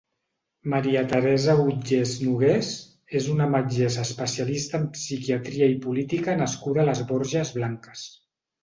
Maria Teresa Utgés Nogués és una metgessa especialista en psiquiatria i política nascuda a les Borges Blanques.